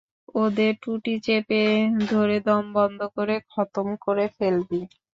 ওদের টুঁটি চেপে ধরে দম বন্ধ করে খতম করে ফেলবি।